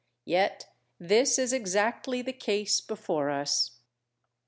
Yet this is exactly the case before us.